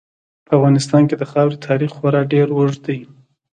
په افغانستان کې د خاورې تاریخ خورا ډېر اوږد دی.